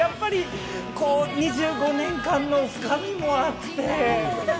２５年間の深みもあって。